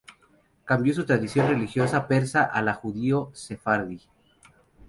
Cambió su tradición religiosa persa a la judío-sefardí.